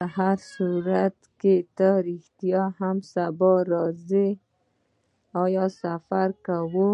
په هرصورت، ته رښتیا هم سبا ځې؟ آیا سفر کوې؟